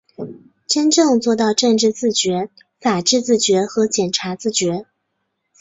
真正做到政治自觉、法治自觉和检察自觉